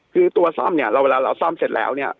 คือตัวซ่อมเนี่ยเวลาเราซ่อมเสร็จแล้วเนี่ย